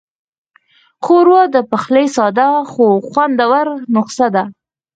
ښوروا د پخلي ساده خو خوندوره نسخه ده.